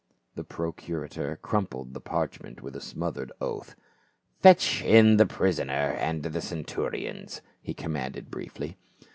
The procurator crumpled the parchment with a smothered oath. " Fetch in the prisoner and the centurions," he commanded briefly.